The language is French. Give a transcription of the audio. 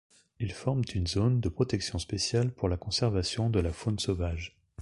Ils forment une zone de protection spéciale pour la conservation de la faune sauvage.